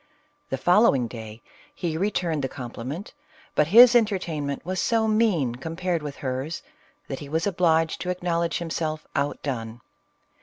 The following day he returned the compliment, but his entertainment was so mean com pared with hers, that he was obliged to acknowledge himself outdone.